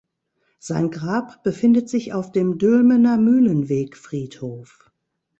Sein Grab befindet sich auf dem Dülmener Mühlenweg-Friedhof.